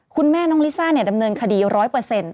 คุณแม่น้องลิซ่าเนี่ยดำเนินคดีร้อยเปอร์เซ็นต์